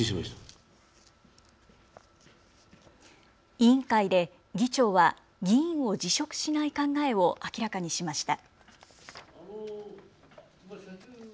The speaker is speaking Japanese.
委員会で議長は議員を辞職しない考えを明らかにしました。